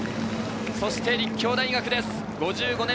そして立教大学。